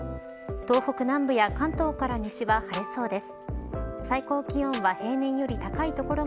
東北南部や関東から西は晴れそうです。